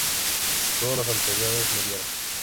Todos los anteriores murieron.